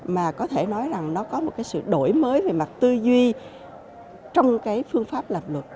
mà có thể nói rằng nó có một cái sự đổi mới về mặt tư duy trong cái phương pháp làm luật